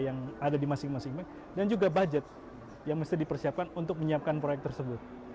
yang ada di masing masing dan juga budget yang mesti dipersiapkan untuk menyiapkan proyek tersebut